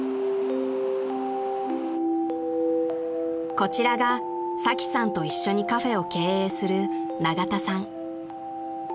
［こちらがサキさんと一緒にカフェを経営する］